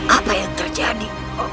apa yang terjadi